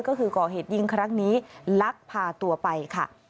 ก็คือก่อเหตุยิงครั้งนี้ลักพาตัวไปค่ะ